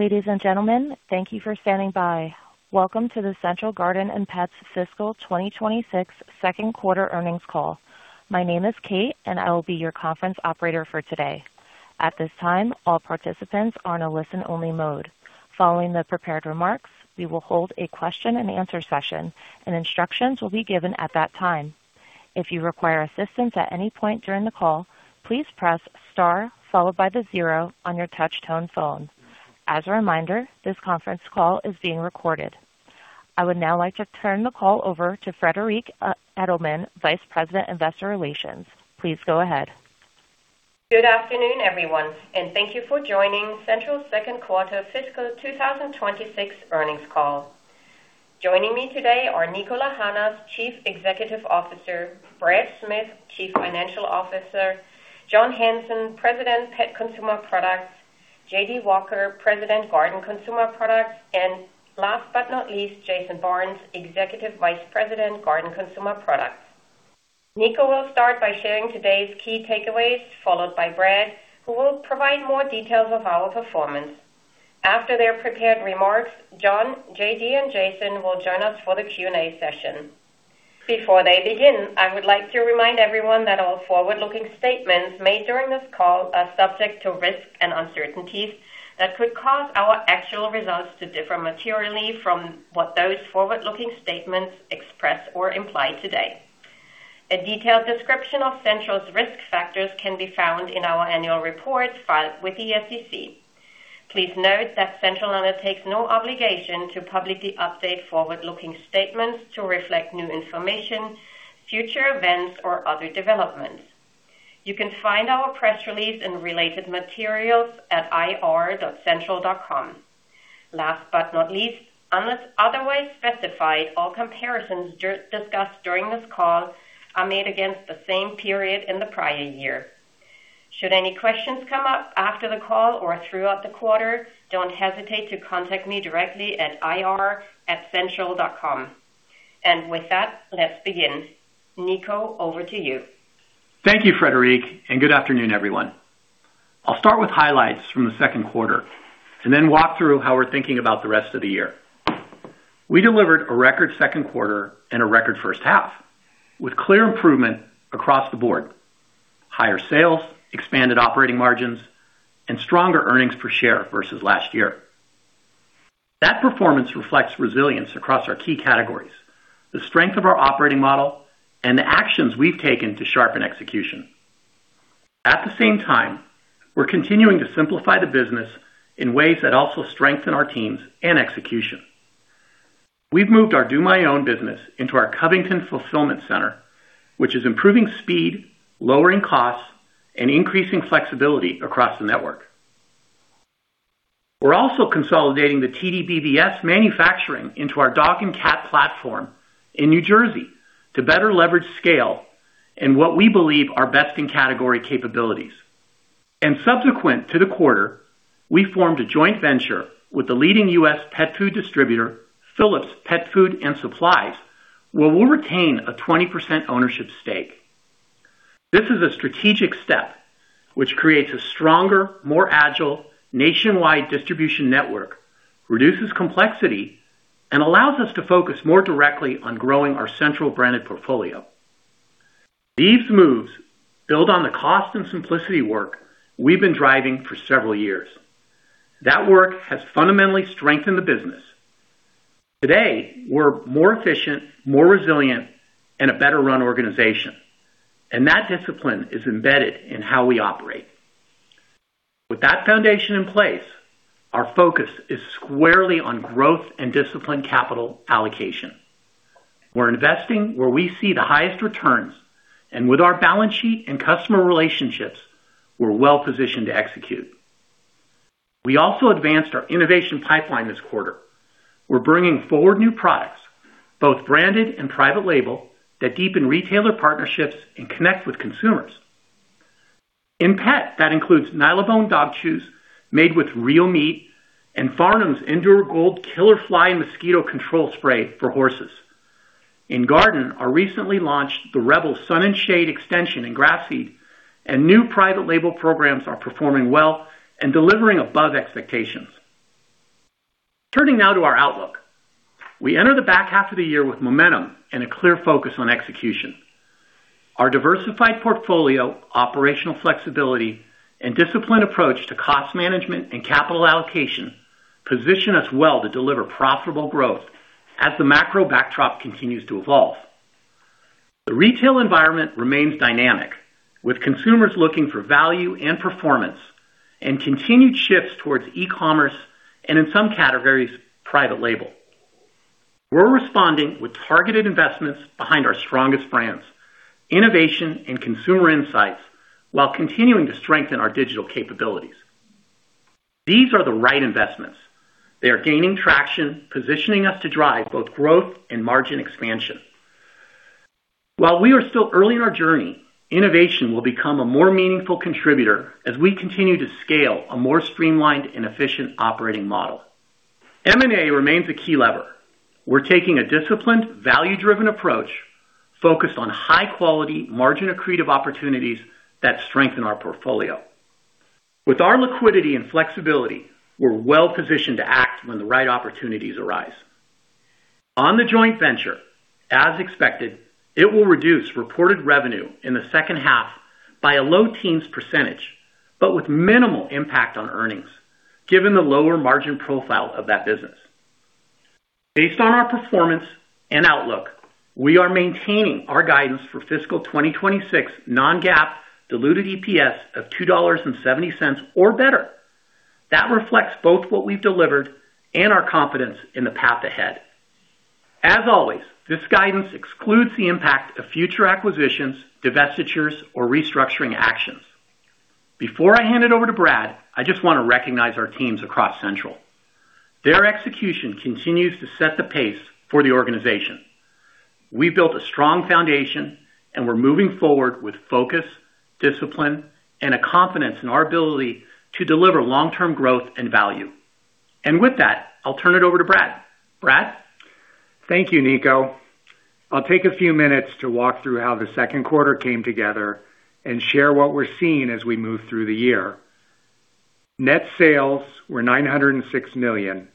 Ladies and gentlemen, thank you for standing by. Welcome to the Central Garden & Pet's fiscal 2026 second quarter earnings call. My name is Kate, and I will be your conference operator for today. At this time, all participants are on a listen-only mode. Following the prepared remarks, we will hold a question and answer session, and instructions will be given at that time. If you require assistance at any point during the call, please press star followed by zero on your touch tone phone. As a reminder, this conference call is being recorded. I would now like to turn the call over to Friederike Edelmann, Vice President, Investor Relations. Please go ahead. Good afternoon, everyone, and thank you for joining Central's second quarter fiscal 2026 earnings call. Joining me today are Niko Lahanas, Chief Executive Officer; Brad Smith, Chief Financial Officer; John Hanson, President, Pet Consumer Products; J.D. Walker, President, Garden Consumer Products; and last but not least, Jason Barnes, Executive Vice President, Garden Consumer Products. Niko will start by sharing today's key takeaways, followed by Brad, who will provide more details of our performance. After their prepared remarks, John, J.D., and Jason will join us for the Q&A session. Before they begin, I would like to remind everyone that all forward-looking statements made during this call are subject to risks and uncertainties that could cause our actual results to differ materially from what those forward-looking statements express or imply today. A detailed description of Central's risk factors can be found in our annual report filed with the SEC. Please note that Central undertakes no obligation to publicly update forward-looking statements to reflect new information, future events, or other developments. You can find our press release and related materials at ir.central.com. Last but not least, unless otherwise specified, all comparisons discussed during this call are made against the same period in the prior year. Should any questions come up after the call or throughout the quarter, don't hesitate to contact me directly at ir@central.com. With that, let's begin. Niko, over to you. Thank you, Friederike, good afternoon, everyone. I'll start with highlights from the second quarter and then walk through how we're thinking about the rest of the year. We delivered a record second quarter and a record first half with clear improvement across the board, higher sales, expanded operating margins, and stronger earnings per share versus last year. That performance reflects resilience across our key categories, the strength of our operating model, and the actions we've taken to sharpen execution. At the same time, we're continuing to simplify the business in ways that also strengthen our teams and execution. We've moved our DoMyOwn business into our Covington fulfillment center, which is improving speed, lowering costs, and increasing flexibility across the network. We're also consolidating the TDBBS manufacturing into our dog and cat platform in New Jersey to better leverage scale in what we believe are best-in-category capabilities. Subsequent to the quarter, we formed a joint venture with the leading U.S. pet food distributor, Phillips Pet Food & Supplies, where we'll retain a 20% ownership stake. This is a strategic step which creates a stronger, more agile nationwide distribution network, reduces complexity, and allows us to focus more directly on growing our Central branded portfolio. These moves build on the cost and simplicity work we've been driving for several years. That work has fundamentally strengthened the business. Today, we're more efficient, more resilient, and a better-run organization, and that discipline is embedded in how we operate. With that foundation in place, our focus is squarely on growth and disciplined capital allocation. We're investing where we see the highest returns, and with our balance sheet and customer relationships, we're well-positioned to execute. We also advanced our innovation pipeline this quarter. We're bringing forward new products, both branded and private label, that deepen retailer partnerships and connect with consumers. In Pet, that includes Nylabone dog chews made with real meat and Farnam's Endure Gold Killer Fly & Mosquito Control Spray for horses. In Garden, our recently launched The Rebels Sun & Shade Grass Seed Mix and new private label programs are performing well and delivering above expectations. Turning now to our outlook. We enter the back half of the year with momentum and a clear focus on execution. Our diversified portfolio, operational flexibility, and disciplined approach to cost management and capital allocation position us well to deliver profitable growth as the macro backdrop continues to evolve. The retail environment remains dynamic, with consumers looking for value and performance and continued shifts towards e-commerce and in some categories, private label. We're responding with targeted investments behind our strongest brands, innovation, and consumer insights while continuing to strengthen our digital capabilities. These are the right investments. They are gaining traction, positioning us to drive both growth and margin expansion. While we are still early in our journey, innovation will become a more meaningful contributor as we continue to scale a more streamlined and efficient operating model. M&A remains a key lever. We're taking a disciplined, value-driven approach focused on high quality, margin accretive opportunities that strengthen our portfolio. With our liquidity and flexibility, we're well-positioned to act when the right opportunities arise. On the joint venture, as expected, it will reduce reported revenue in the second half by a low-teens %, but with minimal impact on earnings, given the lower margin profile of that business. Based on our performance and outlook, we are maintaining our guidance for fiscal 2026 non-GAAP diluted EPS of $2.70 or better. That reflects both what we've delivered and our confidence in the path ahead. As always, this guidance excludes the impact of future acquisitions, divestitures, or restructuring actions. Before I hand it over to Brad, I just wanna recognize our teams across Central. Their execution continues to set the pace for the organization. We've built a strong foundation, we're moving forward with focus, discipline, and a confidence in our ability to deliver long-term growth and value. With that, I'll turn it over to Brad. Brad? Thank you, Niko. I'll take a few minutes to walk through how the second quarter came together and share what we're seeing as we move through the year. Net sales were $906 million,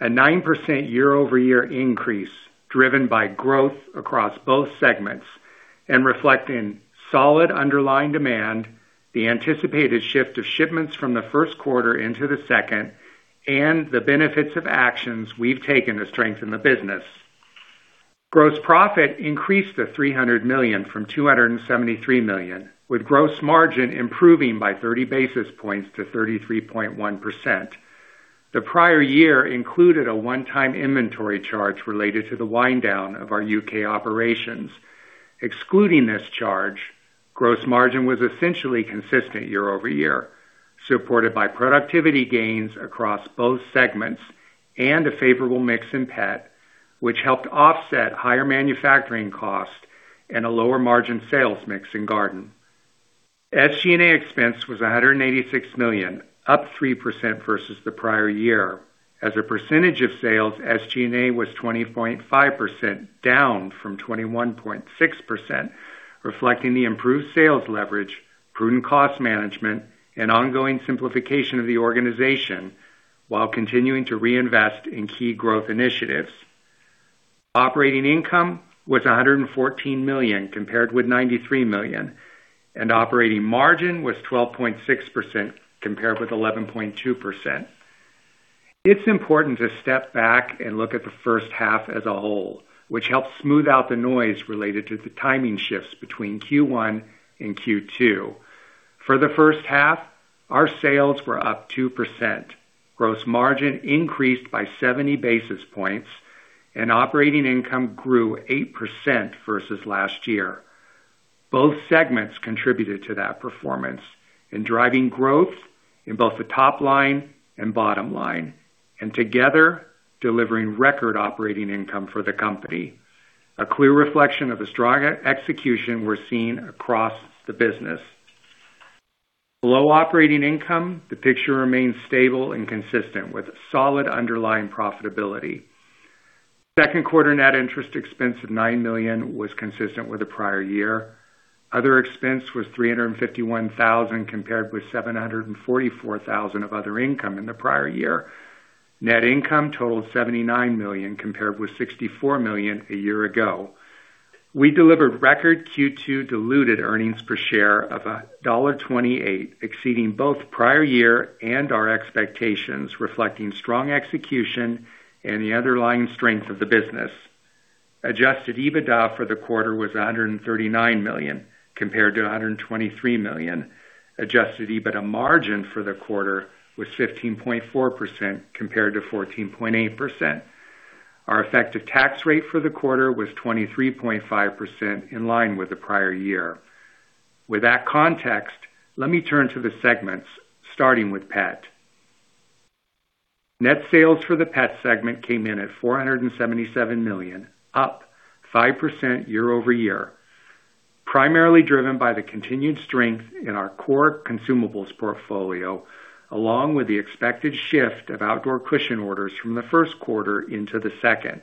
a 9% year-over-year increase driven by growth across both segments and reflecting solid underlying demand, the anticipated shift of shipments from the first quarter into the second, and the benefits of actions we've taken to strengthen the business. Gross profit increased to $300 million from $273 million, with gross margin improving by 30 basis points to 33.1%. The prior year included a one-time inventory charge related to the wind down of our U.K. operations. Excluding this charge, gross margin was essentially consistent year-over-year, supported by productivity gains across both segments and a favorable mix in Pet, which helped offset higher manufacturing cost and a lower margin sales mix in Garden. SG&A expense was $186 million, up 3% versus the prior year. As a percentage of sales, SG&A was 20.5%, down from 21.6%, reflecting the improved sales leverage, prudent cost management, and ongoing simplification of the organization while continuing to reinvest in key growth initiatives. Operating income was $114 million compared with $93 million, and operating margin was 12.6% compared with 11.2%. It's important to step back and look at the first half as a whole, which helps smooth out the noise related to the timing shifts between Q1 and Q2. For the first half, our sales were up 2%, gross margin increased by 70 basis points, and operating income grew 8% versus last year. Both segments contributed to that performance in driving growth in both the top line and bottom line, and together delivering record operating income for the company, a clear reflection of the strong execution we're seeing across the business. Below operating income, the picture remains stable and consistent with solid underlying profitability. Second quarter net interest expense of $9 million was consistent with the prior year. Other expense was $351,000 compared with $744,000 of other income in the prior year. Net income totaled $79 million compared with $64 million a year ago. We delivered record Q2 diluted earnings per share of $1.28, exceeding both prior year and our expectations, reflecting strong execution and the underlying strength of the business. Adjusted EBITDA for the quarter was $139 million compared to $123 million. Adjusted EBITDA margin for the quarter was 15.4% compared to 14.8%. Our effective tax rate for the quarter was 23.5%, in line with the prior year. With that context, let me turn to the segments, starting with pet. Net sales for the pet segment came in at $477 million, up 5% year-over-year, primarily driven by the continued strength in our core consumables portfolio, along with the expected shift of outdoor cushion orders from the first quarter into the second.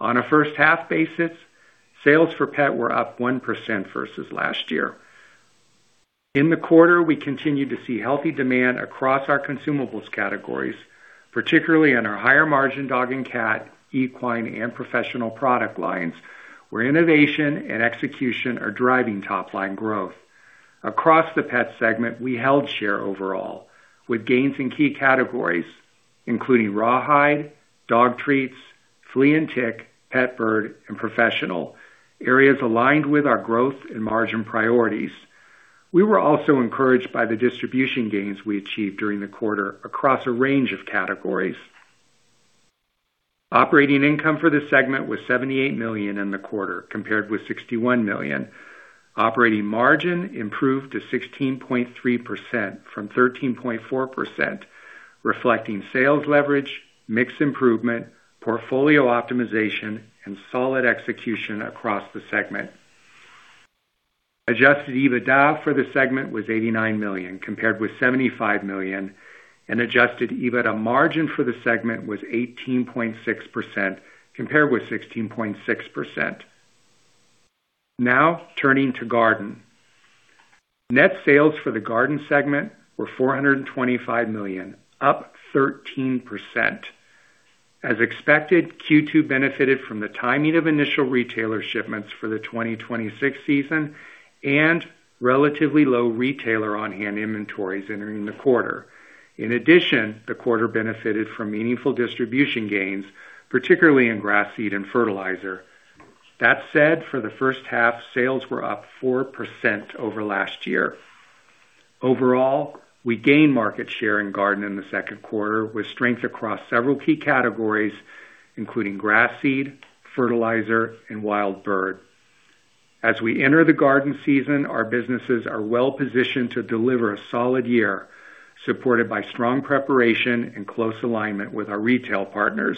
On a first half basis, sales for Pet were up 1% versus last year. In the quarter, we continued to see healthy demand across our consumables categories, particularly in our higher margin dog and cat, equine, and professional product lines, where innovation and execution are driving top line growth. Across the Pet segment, we held share overall with gains in key categories, including rawhide, dog treats, flea and tick, pet bird, and professional, areas aligned with our growth and margin priorities. We were also encouraged by the distribution gains we achieved during the quarter across a range of categories. Operating income for the segment was $78 million in the quarter compared with $61 million. Operating margin improved to 16.3% from 13.4%, reflecting sales leverage, mix improvement, portfolio optimization, and solid execution across the segment. Adjusted EBITDA for the segment was $89 million, compared with $75 million, and adjusted EBITDA margin for the segment was 18.6% compared with 16.6%. Turning to Garden. Net sales for the Garden segment were $425 million, up 13%. As expected, Q2 benefited from the timing of initial retailer shipments for the 2026 season and relatively low retailer on-hand inventories entering the quarter. The quarter benefited from meaningful distribution gains, particularly in grass seed and fertilizer. For the first half, sales were up 4% over last year. Overall, we gained market share in Garden in the second quarter, with strength across several key categories, including grass seed, fertilizer, and wild bird. As we enter the garden season, our businesses are well positioned to deliver a solid year, supported by strong preparation and close alignment with our retail partners.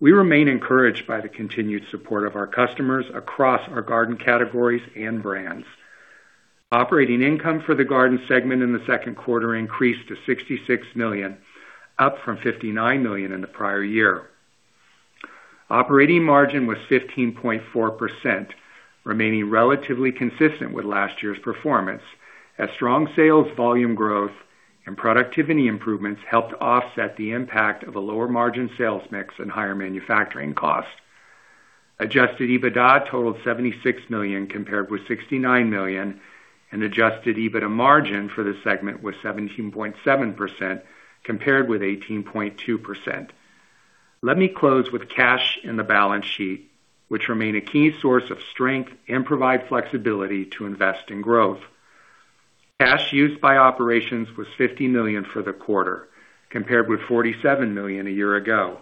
We remain encouraged by the continued support of our customers across our Garden categories and brands. Operating income for the Garden segment in the second quarter increased to $66 million, up from $59 million in the prior year. Operating margin was 15.4%, remaining relatively consistent with last year's performance as strong sales volume growth and productivity improvements helped offset the impact of a lower margin sales mix and higher manufacturing costs. Adjusted EBITDA totaled $76 million compared with $69 million, and adjusted EBITDA margin for the segment was 17.7% compared with 18.2%. Let me close with cash in the balance sheet, which remain a key source of strength and provide flexibility to invest in growth. Cash used by operations was $50 million for the quarter, compared with $47 million a year ago.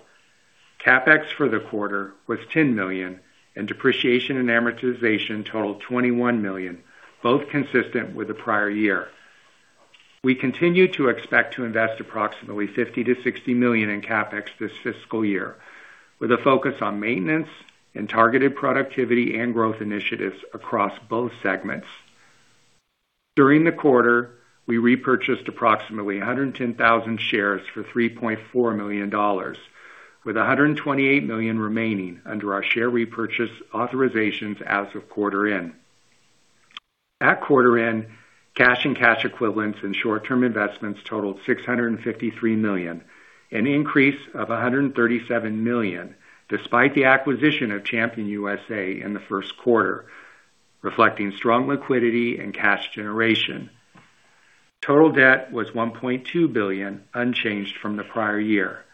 CapEx for the quarter was $10 million, and depreciation and amortization totaled $21 million, both consistent with the prior year. We continue to expect to invest approximately $50 million-$60 million in CapEx this fiscal year, with a focus on maintenance and targeted productivity and growth initiatives across both segments. During the quarter, we repurchased approximately 110,000 shares for $3.4 million, with $128 million remaining under our share repurchase authorizations as of quarter end. At quarter end, cash and cash equivalents and short-term investments totaled $653 million, an increase of $137 million, despite the acquisition of Champion USA in the first quarter, reflecting strong liquidity and cash generation. Total debt was $1.2 billion, unchanged from the prior year.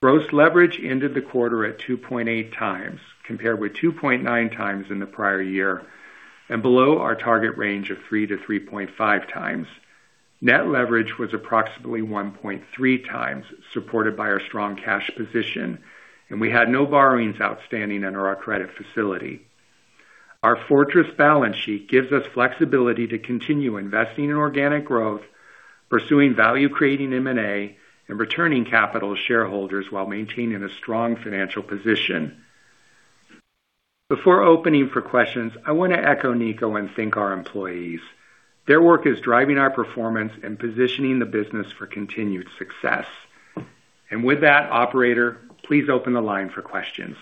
Gross leverage ended the quarter at 2.8x, compared with 2.9x in the prior year and below our target range of 3.0x-3.5x. Net leverage was approximately 1.3x, supported by our strong cash position, and we had no borrowings outstanding under our credit facility. Our fortress balance sheet gives us flexibility to continue investing in organic growth, pursuing value creating M&A, and returning capital to shareholders while maintaining a strong financial position. Before opening for questions, I want to echo Niko and thank our employees. Their work is driving our performance and positioning the business for continued success. With that, operator, please open the line for questions.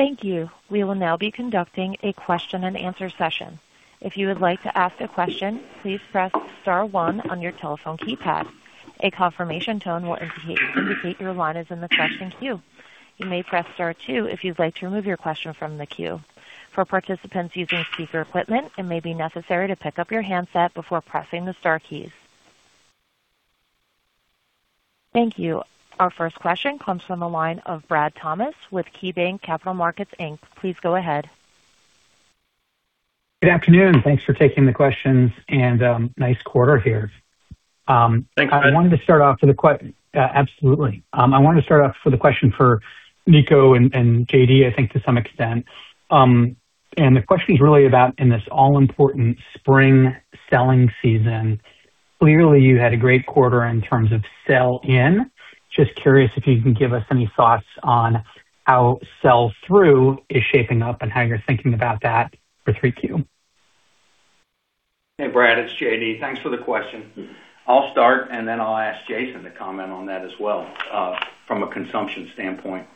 Thank you. We will now be conducting a question and answer session. If you would like to ask a question, please press star one on your telephone keypad. A confirmation tone will indicate your line is in the question queue. You may press star two if you'd like to remove your question from the queue. For participants using speaker equipment, it may be necessary to pick up your handset before pressing the star keys. Thank you. Our first question comes from the line of Bradley B. Thomas with KeyBanc Capital Markets Inc. Please go ahead. Good afternoon. Thanks for taking the questions and, nice quarter here. Thanks, Bradley. I wanted to start off with absolutely. I wanted to start off with a question for Niko and J.D., I think to some extent. The question is really about in this all-important spring selling season, clearly you had a great quarter in terms of sell in. Just curious if you can give us any thoughts on how sell through is shaping up and how you're thinking about that for 3Q? Hey, Bradley, it's J.D. Thanks for the question. I'll start, and then I'll ask Jason to comment on that as well, from a consumption standpoint.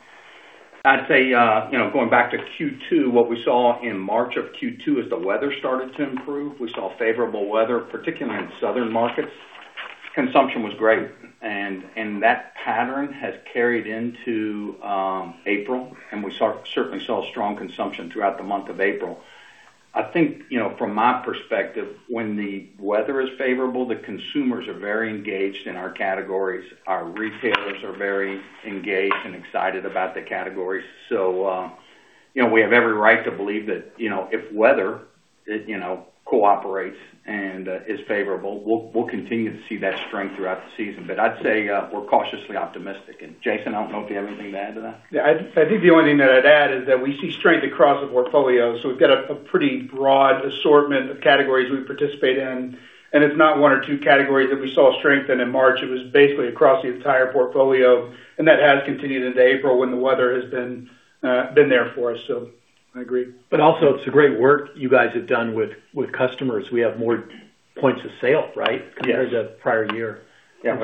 I'd say, you know, going back to Q2, what we saw in March of Q2 as the weather started to improve, we saw favorable weather, particularly in southern markets. Consumption was great, and that pattern has carried into April, and we certainly saw strong consumption throughout the month of April. I think, you know, from my perspective, when the weather is favorable, the consumers are very engaged in our categories. Our retailers are very engaged and excited about the categories. You know, we have every right to believe that, you know, if weather, you know, cooperates and is favorable, we'll continue to see that strength throughout the season. I'd say we're cautiously optimistic. Jason, I don't know if you have anything to add to that. I think the only thing that I'd add is that we see strength across the portfolio. We've got a pretty broad assortment of categories we participate in. It's not one or two categories that we saw strength in in March, it was basically across the entire portfolio. That has continued into April when the weather has been there for us. I agree. Also, it's a great work you guys have done with customers. We have more points of sale, right? Yes. Compared to prior year. Yeah.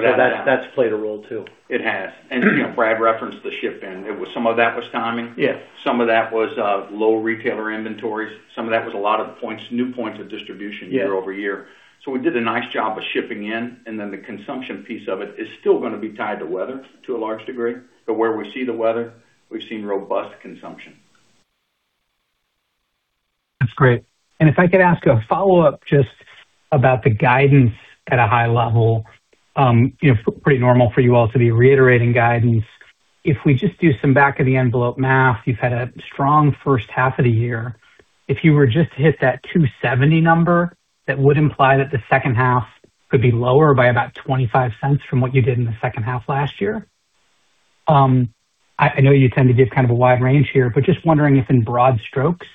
That's played a role too. It has. You know, Brad referenced the ship in. It was some of that was timing. Yes. Some of that was low retailer inventories. Some of that was a lot of points, new points of distribution. Yeah year-over-year. We did a nice job of shipping in, and then the consumption piece of it is still gonna be tied to weather to a large degree. Where we see the weather, we've seen robust consumption. That's great. If I could ask a follow-up just about the guidance at a high level. You know, pretty normal for you all to be reiterating guidance. If we just do some back of the envelope math, you've had a strong first half of the year. If you were just to hit that $2.70 number, that would imply that the second half could be lower by about $0.25 from what you did in the second half last year. I know you tend to give kind of a wide range here, but just wondering if in broad strokes,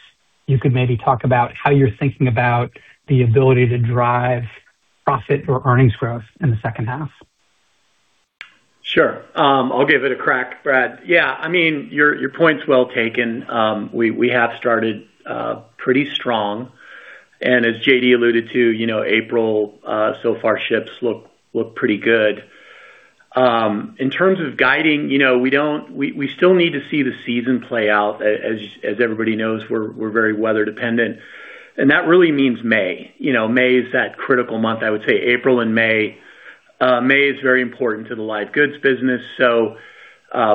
you could maybe talk about how you're thinking about the ability to drive profit or earnings growth in the second half. Sure. I'll give it a crack, Bradley. Yeah, I mean, your point's well taken. We have started pretty strong. As J.D. alluded to, you know, April, so far ships look pretty good. In terms of guiding, you know, we still need to see the season play out. As everybody knows, we're very weather dependent, that really means May. You know, May is that critical month. I would say April and May. May is very important to the live goods business.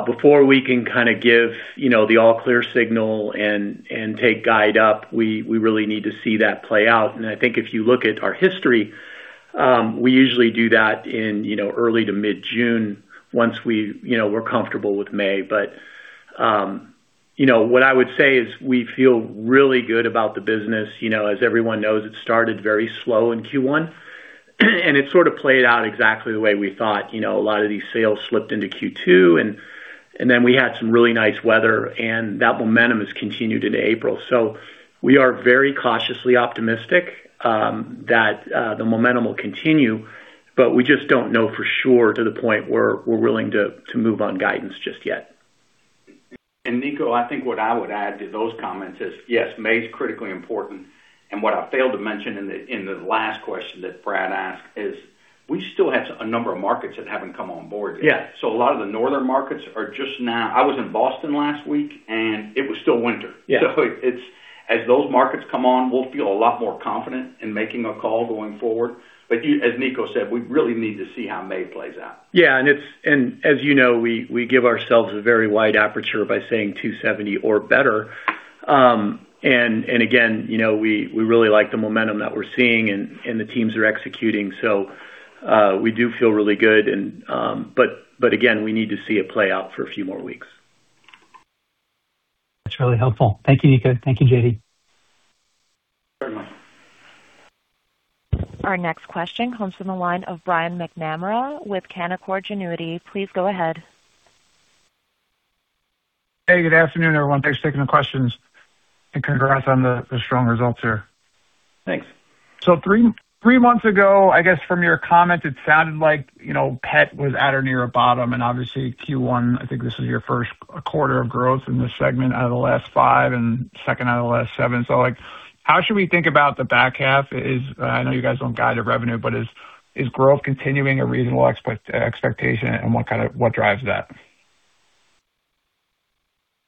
Before we can kinda give, you know, the all clear signal and take guide up, we really need to see that play out. I think if you look at our history, we usually do that in, you know, early to mid-June once we, you know, we're comfortable with May. You know, what I would say is we feel really good about the business. You know, as everyone knows, it started very slow in Q1, and it sort of played out exactly the way we thought. You know, a lot of these sales slipped into Q2, and then we had some really nice weather, and that momentum has continued into April. We are very cautiously optimistic that the momentum will continue, but we just don't know for sure to the point where we're willing to move on guidance just yet. Niko Lahanas, I think what I would add to those comments is, yes, May is critically important. What I failed to mention in the last question that Bradley B. Thomas asked is we still have a number of markets that haven't come on board yet. Yeah. A lot of the northern markets are just now. I was in Boston last week, and it was still winter. Yeah. As those markets come on, we'll feel a lot more confident in making a call going forward. As Niko said, we really need to see how May plays out. Yeah. As you know, we give ourselves a very wide aperture by saying 270 or better. Again, you know, we really like the momentum that we're seeing and the teams are executing. We do feel really good and But again, we need to see it play out for a few more weeks. That's really helpful. Thank you, Niko. Thank you, J.D. Very much. Our next question comes from the line of Brian McNamara with Canaccord Genuity. Please go ahead. Hey, good afternoon, everyone. Thanks for taking the questions. Congrats on the strong results here. Thanks. Three months ago, I guess from your comments, it sounded like, you know, pet was at or near a bottom. Obviously Q1, I think this is your first quarter of growth in this segment out of the last 5% and second out of the last 7%, how should we think about the back half? I know you guys don't guide to revenue, but is growth continuing a reasonable expectation, and what drives that?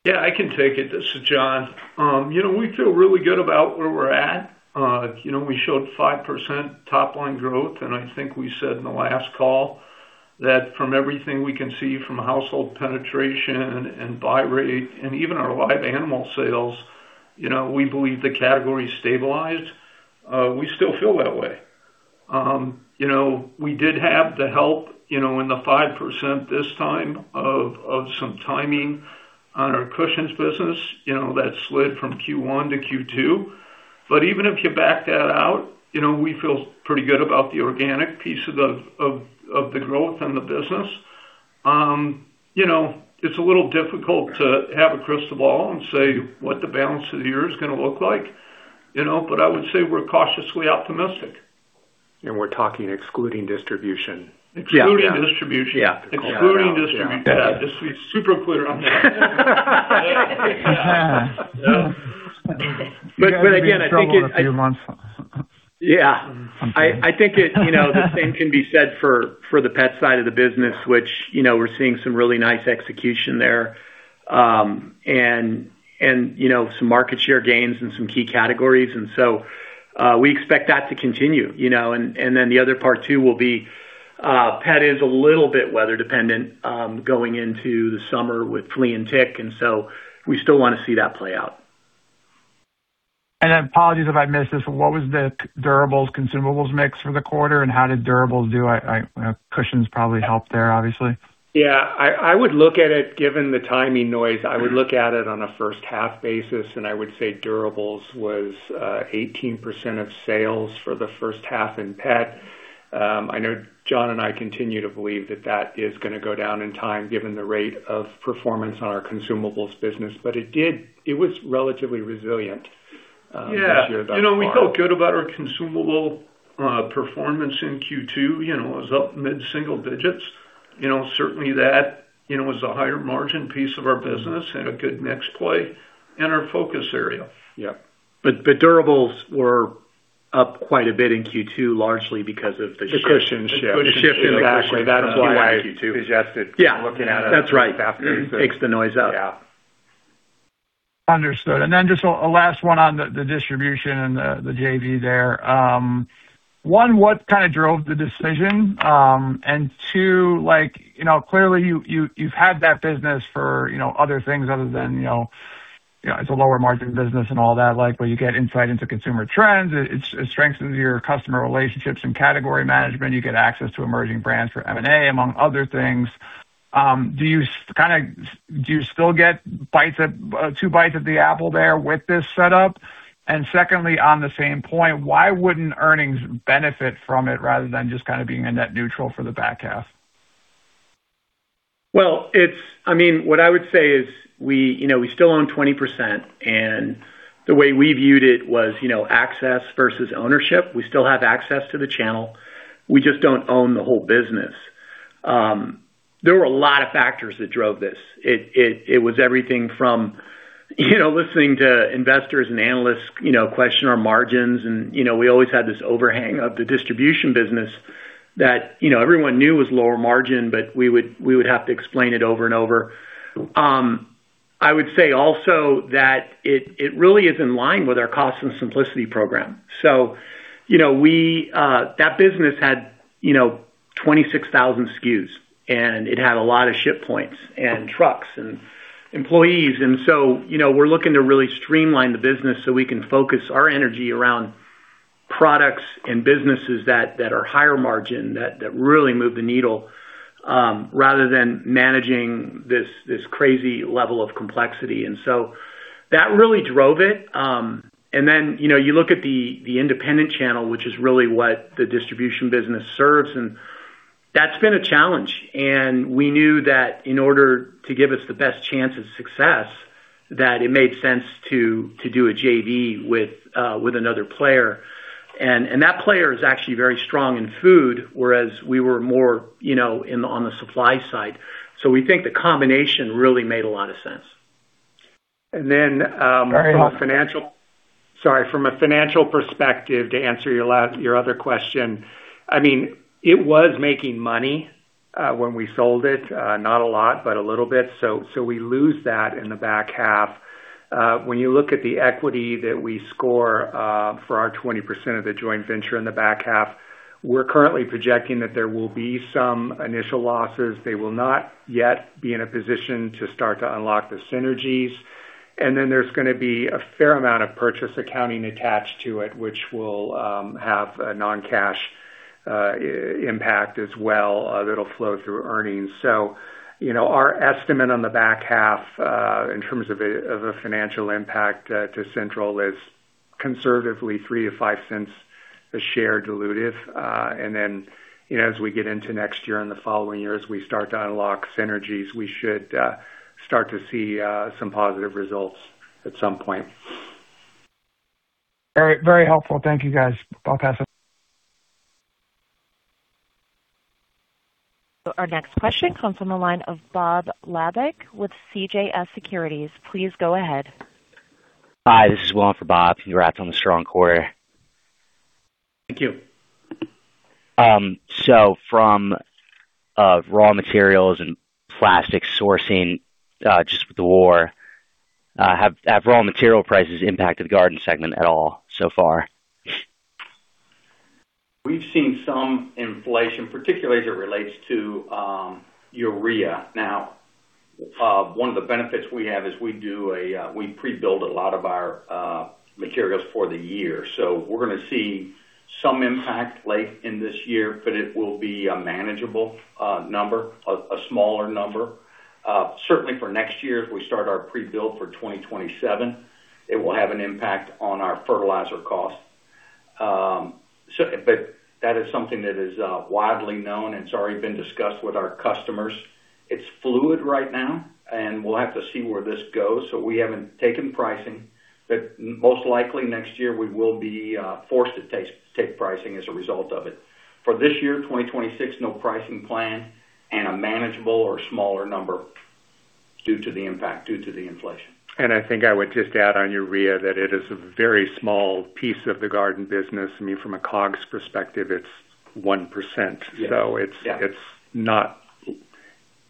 I can take it. This is John. You know, we feel really good about where we're at. You know, we showed 5% top line growth, I think we said in the last call that from everything we can see from household penetration and buy rate and even our live animal sales, you know, we believe the category stabilized. We still feel that way. You know, we did have the help, you know, in the 5% this time of some timing on our cushions business, you know, that slid from Q1 to Q2. Even if you back that out, you know, we feel pretty good about the organic piece of the growth in the business. You know, it's a little difficult to have a crystal ball and say what the balance of the year is gonna look like, you know. I would say we're cautiously optimistic. We're talking excluding distribution. Excluding distribution. Yeah. Excluding distribution. Just to be super clear on that. Yeah. But again, I think it- You guys will be in trouble in a few months. Yeah. I think it, you know, the same can be said for the pet side of the business, which, you know, we're seeing some really nice execution there. And, you know, some market share gains in some key categories. We expect that to continue, you know. Then the other part too will be, pet is a little bit weather dependent, going into the summer with flea and tick, we still wanna see that play out. Apologies if I missed this. What was the durables consumables mix for the quarter, and how did durables do? Cushions probably helped there, obviously. Yeah, I would look at it given the timing noise, I would look at it on a first half basis, and I would say durables was 18% of sales for the first half in pet. I know John and I continue to believe that that is gonna go down in time given the rate of performance on our consumables business. It was relatively resilient this year thus far. We felt good about our consumable performance in Q2, you know. It was up mid-single digits. Certainly that, you know, was a higher margin piece of our business and a good next play in our focus area. Yeah. Durables were up quite a bit in Q2, largely because of the shift. The cushion shift. The cushion shift. Exactly. Yeah. looking at it. That's right. Takes the noise out. Yeah. Understood. Just a last one on the distribution and the JV there. One, what kind of drove the decision? Two, like, you know, clearly you've had that business for, you know, other things other than, you know, you know, it's a lower margin business and all that. Like, where you get insight into consumer trends, it strengthens your customer relationships and category management. You get access to emerging brands for M&A, among other things. Do you still get two bites at the apple there with this setup? Secondly, on the same point, why wouldn't earnings benefit from it rather than just kind of being a net neutral for the back half? Well, it's I mean, what I would say is we, you know, we still own 20%, and the way we viewed it was, you know, access versus ownership. There were a lot of factors that drove this. It was everything from, you know, listening to investors and analysts, you know, question our margins. You know, we always had this overhang of the distribution business that, you know, everyone knew was lower margin, but we would have to explain it over and over. I would say also that it really is in line with our cost and simplicity program. You know, that business had, you know, 26,000 SKUs, and it had a lot of ship points and trucks and employees. You know, we're looking to really streamline the business so we can focus our energy around products and businesses that are higher margin, that really move the needle, rather than managing this crazy level of complexity. That really drove it. You know, you look at the independent channel, which is really what the distribution business serves, and that's been a challenge. We knew that in order to give us the best chance of success, that it made sense to do a JV with another player. That player is actually very strong in food, whereas we were more, you know, on the supply side. We think the combination really made a lot of sense. Then, from a financial- Sorry. Sorry. From a financial perspective, to answer your other question, I mean, it was making money when we sold it. Not a lot, but a little bit. We lose that in the back half. When you look at the equity that we score for our 20% of the joint venture in the back half, we're currently projecting that there will be some initial losses. They will not yet be in a position to start to unlock the synergies. There's gonna be a fair amount of purchase accounting attached to it, which will have a non-cash impact as well that'll flow through earnings. You know, our estimate on the back half in terms of a financial impact to Central is conservatively $0.03-$0.05 a share dilutive. You know, as we get into next year and the following years, we start to unlock synergies. We should start to see some positive results at some point. All right. Very helpful. Thank you, guys. I'll pass it. Our next question comes from the line of Bob Labick with CJS Securities. Please go ahead. Hi, this is Will for Bob. Congrats on the strong quarter. Thank you. From raw materials and plastic sourcing, just with the war, have raw material prices impacted the garden segment at all so far? We've seen some inflation, particularly as it relates to urea. Now, one of the benefits we have is we pre-build a lot of our materials for the year. We're going to see some impact late in this year, but it will be a manageable, smaller number. Certainly for next year, as we start our pre-build for 2027, it will have an impact on our fertilizer cost. But that is something that is widely known and it's already been discussed with our customers. It's fluid right now, and we'll have to see where this goes. We haven't taken pricing, but most likely next year we will be forced to take pricing as a result of it. For this year, 2026, no pricing plan and a manageable or smaller number due to the impact, due to the inflation. I think I would just add on urea that it is a very small piece of the garden business. I mean, from a COGS perspective, it's 1%. Yeah. So it's- Yeah. It's not,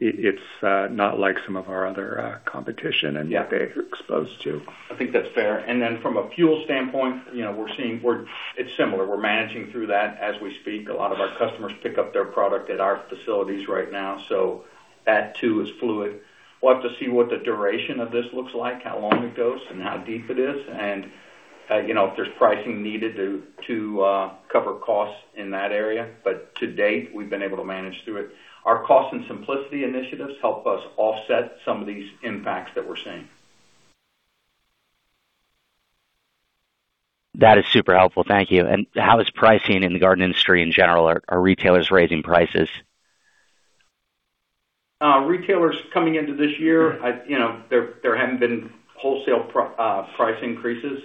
it's not like some of our other competition. Yeah. what they're exposed to. I think that's fair. From a fuel standpoint, you know, it's similar. We're managing through that as we speak. A lot of our customers pick up their product at our facilities right now. That too is fluid. We'll have to see what the duration of this looks like, how long it goes and how deep it is. You know, if there's pricing needed to cover costs in that area. To date, we've been able to manage through it. Our cost and simplicity initiatives help us offset some of these impacts that we're seeing. That is super helpful. Thank you. How is pricing in the garden industry in general? Are retailers raising prices? Retailers coming into this year, you know, there haven't been wholesale price increases.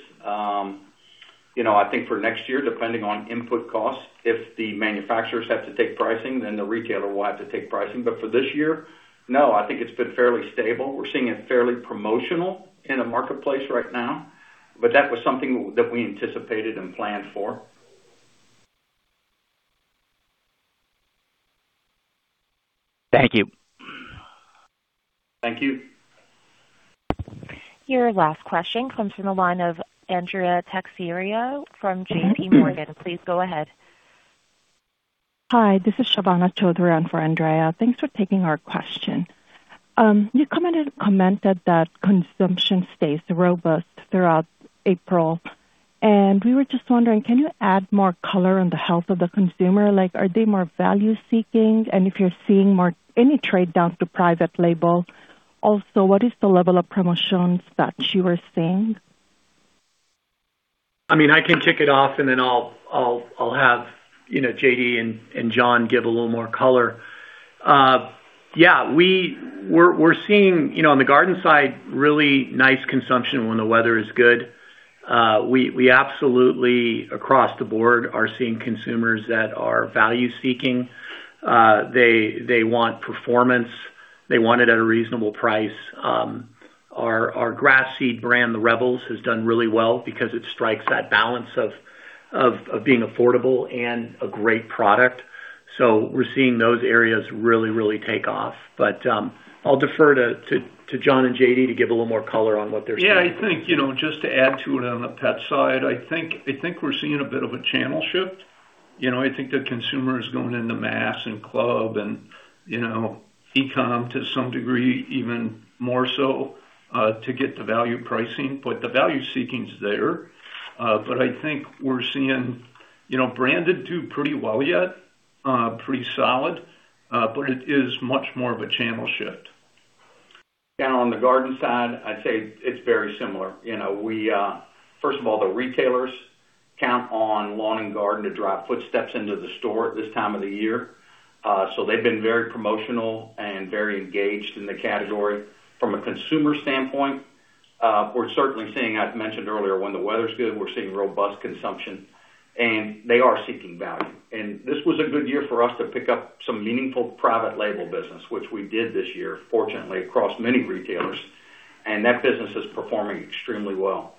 You know, I think for next year, depending on input costs, if the manufacturers have to take pricing, then the retailer will have to take pricing. For this year, no, I think it's been fairly stable. We're seeing it fairly promotional in the marketplace right now, but that was something that we anticipated and planned for. Thank you. Thank you. Your last question comes from the line of Andrea Teixeira from JPMorgan. Please go ahead. Hi, this is Shovana Chowdhury for Andrea. Thanks for taking our question. You commented that consumption stays robust throughout April. We were just wondering, can you add more color on the health of the consumer? Like, are they more value-seeking? If you're seeing any trade down to private label? Also, what is the level of promotions that you are seeing? I mean, I can kick it off, and then I'll have, you know, J.D. and John give a little more color. Yeah, we're seeing, you know, on the garden side, really nice consumption when the weather is good. We absolutely, across the board, are seeing consumers that are value-seeking. They want performance. They want it at a reasonable price. Our grass seed brand, The Rebels, has done really well because it strikes that balance of being affordable and a great product. We're seeing those areas really take off. I'll defer to John and J.D. to give a little more color on what they're seeing. I think, you know, just to add to it on the pet side, I think we're seeing a bit of a channel shift. You know, I think the consumer is going into mass and club and, you know, e-com to some degree, even more so, to get the value pricing. The value-seeking's there. I think we're seeing, you know, branded do pretty well yet, pretty solid, but it is much more of a channel shift. Down on the garden side, I'd say it's very similar. You know, we, first of all, the retailers count on lawn and garden to drive footsteps into the store at this time of the year, so they've been very promotional and very engaged in the category. From a consumer standpoint, we're certainly seeing, I've mentioned earlier, when the weather's good, we're seeing robust consumption, and they are seeking value. This was a good year for us to pick up some meaningful private label business, which we did this year, fortunately, across many retailers, and that business is performing extremely well.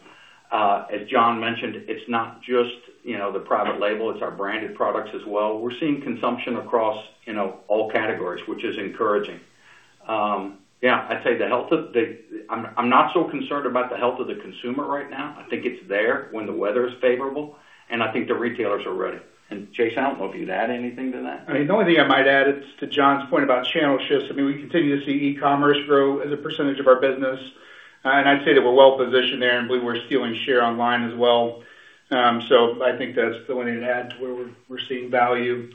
As John Hanson mentioned, it's not just, you know, the private label, it's our branded products as well. We're seeing consumption across, you know, all categories, which is encouraging. Yeah, I'd say I'm not so concerned about the health of the consumer right now. I think it's there when the weather is favorable, and I think the retailers are ready. Jason, I don't know if you'd add anything to that. I mean, the only thing I might add is to John's point about channel shifts. I mean, we continue to see e-commerce grow as a percentage of our business, and I'd say that we're well-positioned there and believe we're stealing share online as well. I think that's the only to add to where we're seeing value.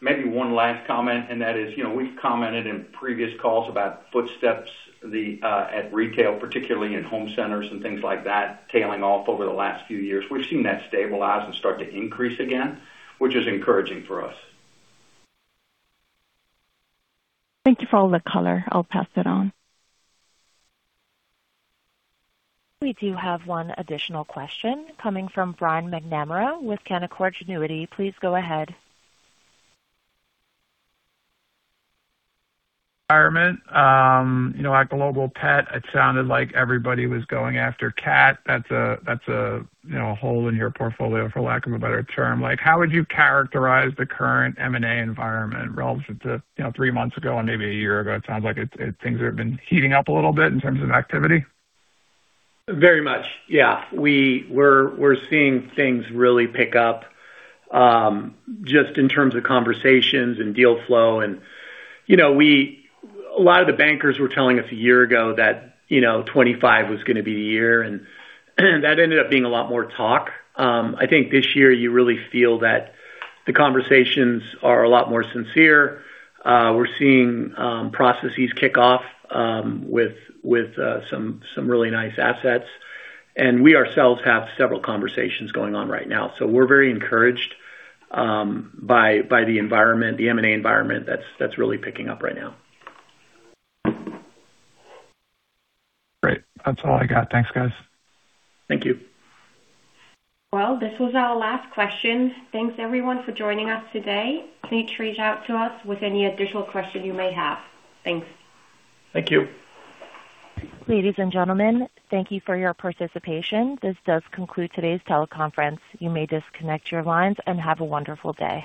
Maybe one last comment, and that is, you know, we've commented in previous calls about footsteps at retail, particularly in home centers and things like that, tailing off over the last few years. We've seen that stabilize and start to increase again, which is encouraging for us. Thank you for all the color. I'll pass it on. We do have one additional question coming from Brian McNamara with Canaccord Genuity. Please go ahead. Environment. You know, at Global Pet, it sounded like everybody was going after cat. That's a, you know, a hole in your portfolio, for lack of a better term. Like, how would you characterize the current M&A environment relative to, you know, three months ago and maybe a year ago? It sounds like it, things have been heating up a little bit in terms of activity. Very much. We're seeing things really pick up just in terms of conversations and deal flow. You know, a lot of the bankers were telling us a year ago that, you know, 2025 was gonna be the year, that ended up being a lot more talk. I think this year you really feel that the conversations are a lot more sincere. We're seeing processes kick off with some really nice assets. We ourselves have several conversations going on right now. We're very encouraged by the environment, the M&A environment that's really picking up right now. Great. That's all I got. Thanks, guys. Thank you. This was our last question. Thanks everyone for joining us today. Please reach out to us with any additional questions you may have. Thanks. Thank you. Ladies and gentlemen, thank you for your participation. This does conclude today's teleconference. You may disconnect your lines and have a wonderful day.